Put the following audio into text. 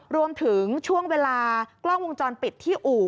รวมถึงช่วงเวลากล้องวงจรปิดที่อู่